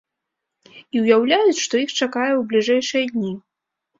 І ўяўляюць, што іх чакае ў бліжэйшыя дні.